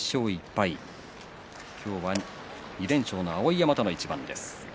今日は２連勝の碧山との一番です。